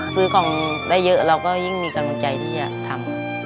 ซื้อของได้เยอะเราก็ยิ่งมีกำลังใจที่จะทำ